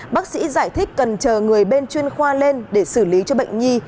bác sĩ giải thích cần chờ người bên chuyên khoa lên để xử lý cho bệnh nhi